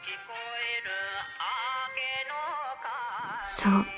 そう。